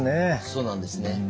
そうなんですね。